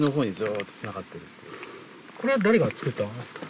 これは誰が作ったんですか？